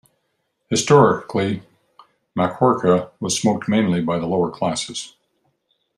Historically, makhorka was smoked mainly by the lower classes.